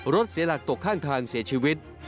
รถเสียหลักตกข้างทางเสียชีวิต